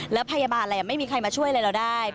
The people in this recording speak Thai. แล้วพยาบาลอะไรไม่มีใครมาช่วยอะไรเราได้